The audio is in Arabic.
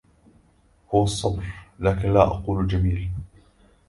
هو الصبر لكن لا أقول جميل